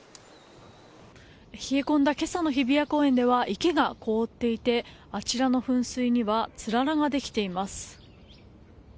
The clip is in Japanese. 冷え込んだ今朝の日比谷公園では池が凍っていてあちらの噴水にはつららができています。